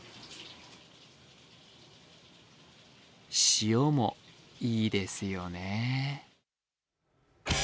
塩もいいですよね。